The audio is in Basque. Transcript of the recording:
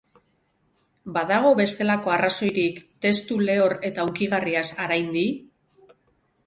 Badago bestelako arrazoirik, testu lehor eta hunkigarriaz haraindi?